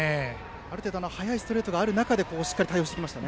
ある程度速いストレートがある中でしっかり対応しましたね。